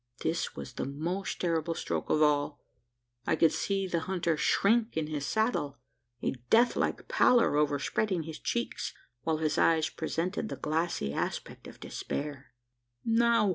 This was the most terrible stroke of all. I could see the hunter shrink in his saddle, a death like pallor over spreading his cheeks, while his eyes presented the glassy aspect of despair. "Now!"